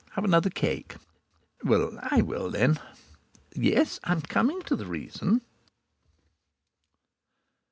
Have another cake. Well, I will, then.... Yes, I'm coming to the reason.